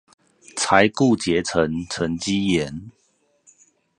才固結成沈積岩